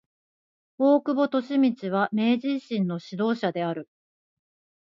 大久保利通は明治維新の指導者である。